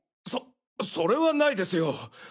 そそれはないですよ！